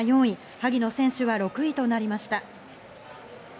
萩野選手は６位となりました。